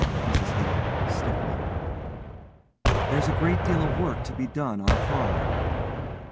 MRS HALE: (stiffly) There's a great deal of work to be done on a farm.